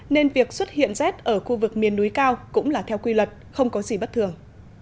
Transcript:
nên việc xuất hiện rét ở khu vực miền núi cao cũng là theo quy luật không có gì bất thường